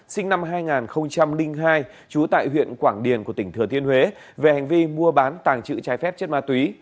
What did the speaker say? sinh năm hai nghìn hai trú tại huyện quảng điền của tỉnh thừa thiên huế về hành vi mua bán tàng trữ trái phép chất ma túy